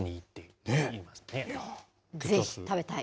でも、ぜひ食べたい。